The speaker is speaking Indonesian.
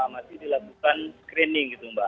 masih dilakukan screening gitu mbak